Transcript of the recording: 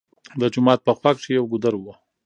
د جومات په خوا کښې يو ګودر وو